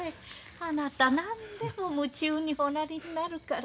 あなた何でも夢中におなりになるから。